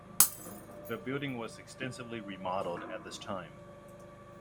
The building was extensively remodelled at this time.